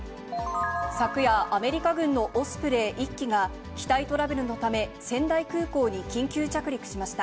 昨夜、アメリカ軍のオスプレイ１機が、機体トラブルのため仙台空港に緊急着陸しました。